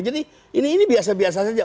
jadi ini biasa biasa saja